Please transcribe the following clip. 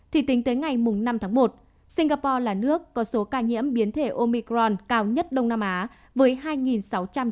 thì tính tới ngày năm tháng một singapore là nước có số ca nhiễm biến thể omicron cao nhất đông nam á với hai sáu trăm chín mươi ca